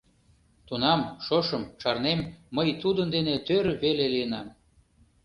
Тунам, шошым, шарнем, мый тудын дене тӧр веле лийынам.